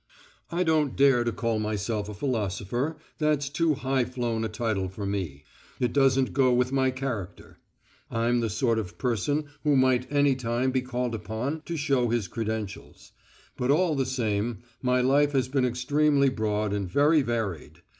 I don't dare to call myself a philosopher, that's too high flown a title for me ... it doesn't go with my character. I'm the sort of person who might anytime be called upon to show his credentials. But all the same, my life has been extremely broad and very varied.